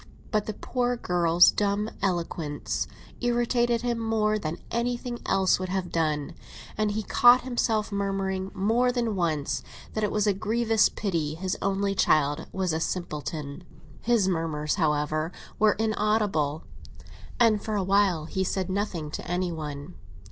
But the poor girl's dumb eloquence irritated him more than anything else would have done, and he caught himself murmuring more than once that it was a grievous pity his only child was a simpleton. His murmurs, however, were inaudible; and for a while he said nothing to any one.